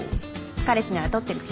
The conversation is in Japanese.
彼氏なら撮ってるでしょ？